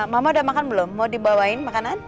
mama udah makan belum mau dibawain makanan